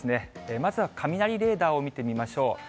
まずは雷レーダーを見てみましょう。